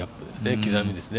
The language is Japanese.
刻みですね。